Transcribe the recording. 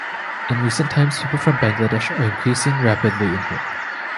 In recent times people from Bangladesh are increasing rapidly in here.